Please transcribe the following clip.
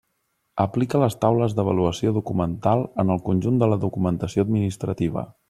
Aplica les taules d'avaluació documental en el conjunt de la documentació administrativa.